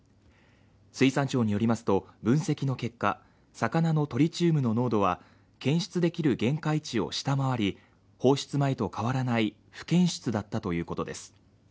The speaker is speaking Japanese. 水産庁によりますと、分析の結果、魚のトリチウムの濃度は検出できる限界値を下回り放出前と変わらない、不検出だったということです。